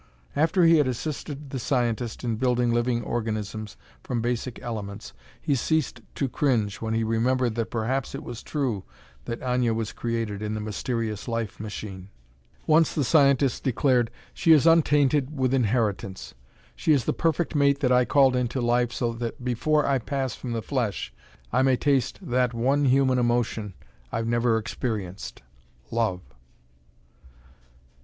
After he had assisted the scientist in building living organisms from basic elements, he ceased to cringe when he remembered that perhaps it was true that Aña was created in the mysterious life machine. Once the scientist declared, "She is untainted with inheritance. She is the perfect mate that I called into life so that before I pass from the flesh I may taste that one human emotion I've never experienced love."